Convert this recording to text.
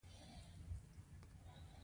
کېله د معدې لپاره آراموونکې ده.